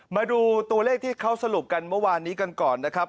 มาดูตัวเลขที่เขาสรุปกันเมื่อวานนี้กันก่อนนะครับ